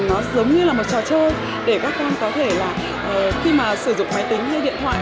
nó giống như là một trò chơi để các con có thể là khi mà sử dụng máy tính hay điện thoại